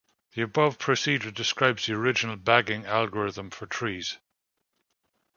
The above procedure describes the original bagging algorithm for trees.